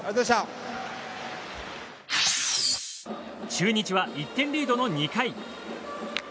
中日は１点リードの２回。